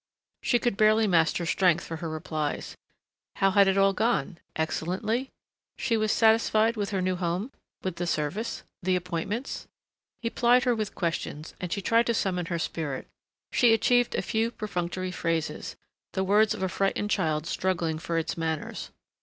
She could barely master strength for her replies. How had it all gone? Excellently? She was satisfied with her new home? With the service? The appointments? He plied her with questions and she tried to summon her spirit: she achieved a few perfunctory phrases, the words of a frightened child struggling for its manners.